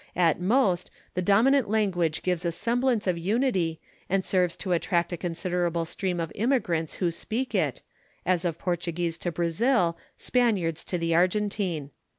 At most, the dominant language gives a semblance of unity and serves to attract a considerable stream of immigrants who speak it, as of Portuguese to Brazil, Spaniards to the Argentine.